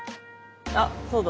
あっそうだ。